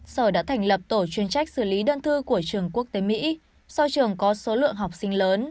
sở đã thành lập tổ chuyên trách xử lý đơn thư của trường quốc tế mỹ do trường có số lượng học sinh lớn